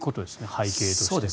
背景としては。